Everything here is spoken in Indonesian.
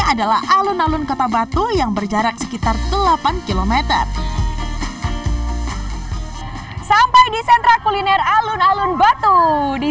adalah alun alun kota batu yang berjarak sekitar delapan km sampai di sentra kuliner alun alun batu di